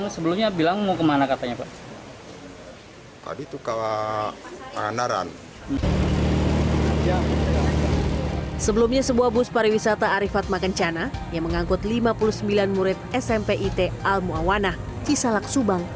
sebelumnya sebuah bus pariwisata arifat makan cana yang mengangkut lima puluh sembilan murid smp it al muawana cisalak subang